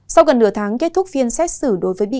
sau gần nửa tháng kết thúc phiên xét xử đối với bị